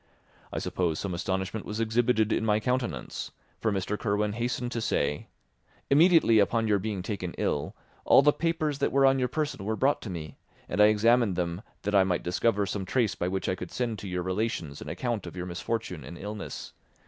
I suppose some astonishment was exhibited in my countenance, for Mr. Kirwin hastened to say, "Immediately upon your being taken ill, all the papers that were on your person were brought me, and I examined them that I might discover some trace by which I could send to your relations an account of your misfortune and illness.